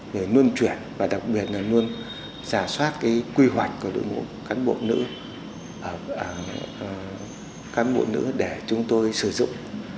để luôn chuyển và đặc biệt là luôn giả soát cái quy hoạch của đội ngũ cán bộ nữ để chúng tôi sử dụng